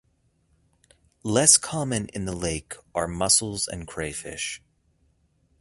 Less common in the lake are mussels and crayfish.